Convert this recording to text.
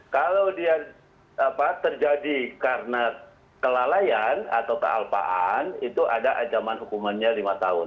kalau dia terjadi karena kelalaian atau kealpaan itu ada ancaman hukumannya lima tahun